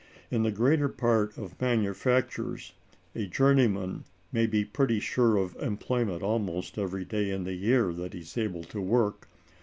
In the greater part of manufactures, a journeyman may be pretty sure of employment almost every day in the year that he is able to work.